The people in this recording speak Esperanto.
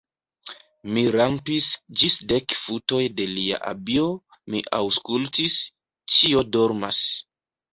Mi rampis ĝis dek futoj de lia abio, mi aŭskultis: ĉio dormas.